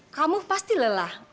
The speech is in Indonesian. kamu pasti lelah